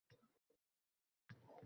Ammo bu arzimas narsada yaratilgan.